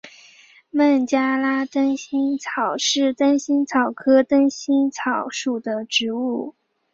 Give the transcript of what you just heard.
孟加拉灯心草是灯心草科灯心草属的植物。